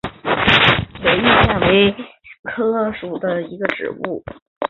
楝叶吴萸为芸香科吴茱萸属的植物。